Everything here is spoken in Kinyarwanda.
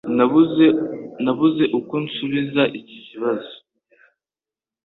Nabuze uko nsubiza ikibazo.